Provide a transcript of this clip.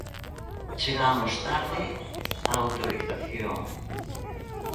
Chegamos tarde á autorización.